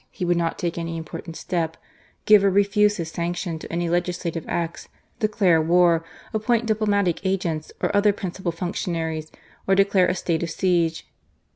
he could not take aoy important stqpriive or refuse his s^iction to any k^shttye aeiis, declare war^ appcHnt diplomatic agents or oth^ i»dncipal fonc* tionarieSi or declare a stete of siege.